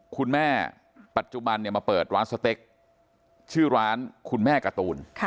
คุณแม่ปัจจุบันมาเปิดร้านสเต็กชื่อร้านคุณแม่การ์ตูน